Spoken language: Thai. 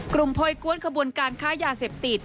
กลุ่มพลอยกว้นขบวนการค้าย่าเสพติด